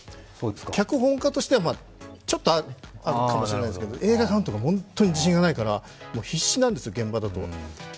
脚本家としては、ちょっとあるかもしれないですけど、映画監督は本当に自信がないから必死なんですよ、現場だと。